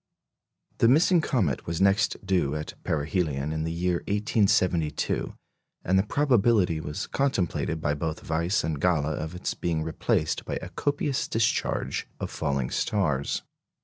The missing comet was next due at perihelion in the year 1872, and the probability was contemplated by both Weiss and Galle of its being replaced by a copious discharge of falling stars.